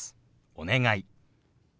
「お願い」。